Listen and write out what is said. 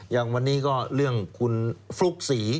อย่างวันนี้ก็เรื่องคุณฟลุ๊กศรี